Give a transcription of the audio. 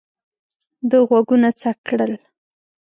ده غوږونه څک کړل.